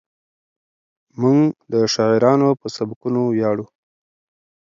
موږ د شاعرانو په سبکونو ویاړو.